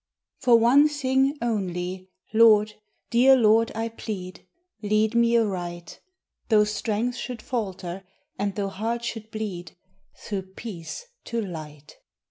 For one thing only, Lord, dear Lord, I plead, Lead me aright — Though strength should falter, and though heart should bleed — Through Peace to Light.